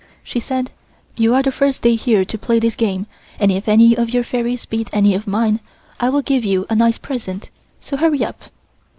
She said: "You are the first day here to play this game and if any of your fairies beat any of mine I will give you a nice present, so hurry up."